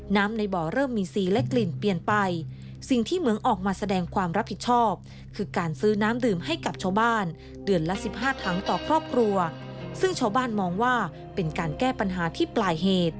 ในบ่อเริ่มมีซีและกลิ่นเปลี่ยนไปสิ่งที่เหมืองออกมาแสดงความรับผิดชอบคือการซื้อน้ำดื่มให้กับชาวบ้านเดือนละสิบห้าถังต่อครอบครัวซึ่งชาวบ้านมองว่าเป็นการแก้ปัญหาที่ปลายเหตุ